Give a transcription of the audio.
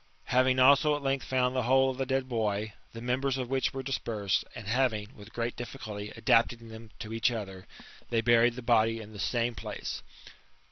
Having also at length found the whole of the dead boy, the members of which were dispersed, jind having, with great difficulty, adapted them to each other, they buried the body in the same place.